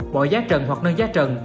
bỏ giá trần hoặc nâng giá trần